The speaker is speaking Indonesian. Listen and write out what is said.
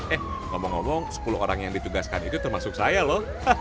eh ngomong ngomong sepuluh orang yang ditugaskan itu termasuk saya loh